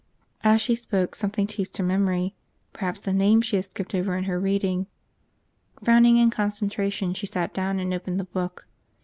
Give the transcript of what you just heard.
As she spoke, something teased her memory, perhaps a name she had skipped over in her reading. Frowning in concentration, she sat down and opened the book.